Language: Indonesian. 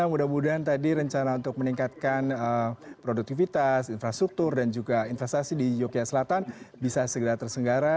mudah mudahan tadi rencana untuk meningkatkan produktivitas infrastruktur dan juga investasi di yogyakarta selatan bisa segera tersenggara